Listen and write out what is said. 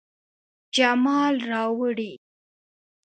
جمال راوړي